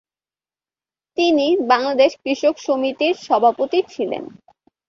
তিনি বাংলাদেশ কৃষক সমিতির সভাপতি ছিলেন।